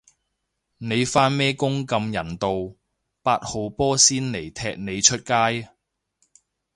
你返咩工咁人道，八號波先嚟踢你出街